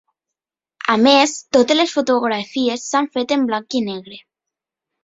A més totes les fotografies s’han fet en blanc i negre.